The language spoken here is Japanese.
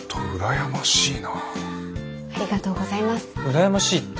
羨ましいって。